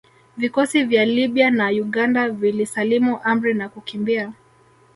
Vikosi vya Libya na Uganda vilisalimu amri na kukimbia